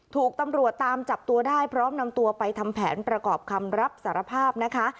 ถูกตำรวจตามจับตัวได้พร้อมนำตัวไปทำแผนประกอบคำรับสารภาพนะคะ